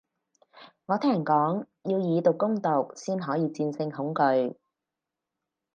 我聽人講，要以毒攻毒先可以戰勝恐懼